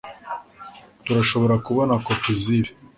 Turashobora kubona kopi zibi